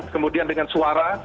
kemudian dengan suara